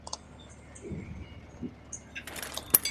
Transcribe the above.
Ingresó al inicio del segundo tiempo, en remplazo de Facundo Ferreyra.